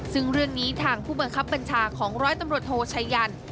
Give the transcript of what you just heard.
ซึ่งเรื่องนี้ทางผู้บังคับบัญชาของร้อยตำรวจโทชัยยัน